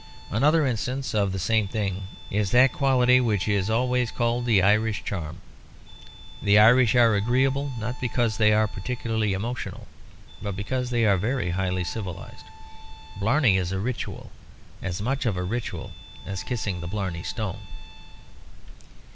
Another instance of the same thing is that quality which is always called the Irish charm. The Irish are agreeable, not because they are particularly emotional, but because they are very highly civilised. Blarney is a ritual; as much of a ritual as kissing the Blarney Stone.